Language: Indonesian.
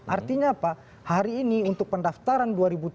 artinya apa hari ini untuk pendaftaran dua ribu tujuh belas